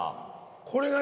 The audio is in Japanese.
これがね